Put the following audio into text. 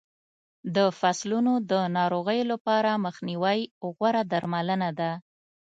د فصلونو د ناروغیو لپاره مخنیوی غوره درملنه ده.